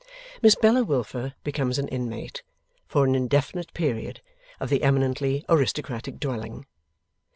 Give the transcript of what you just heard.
Miss Bella Wilfer becomes an inmate, for an indefinite period, of the eminently aristocratic dwelling.